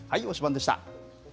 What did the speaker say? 推しバン！でした。